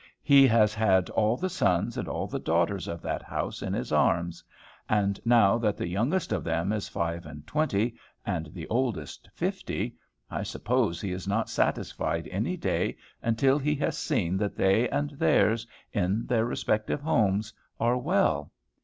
He has had all the sons and all the daughters of that house in his arms; and now that the youngest of them is five and twenty, and the oldest fifty, I suppose he is not satisfied any day until he has seen that they and theirs, in their respective homes, are well.